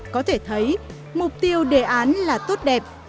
có thể thấy mục tiêu đề án là tốt đẹp